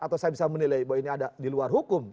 atau saya bisa menilai bahwa ini ada di luar hukum